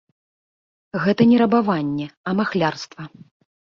Гэта не рабаванне, а махлярства.